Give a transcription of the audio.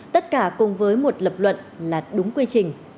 tất cả cùng với một lập luận là đúng quy trình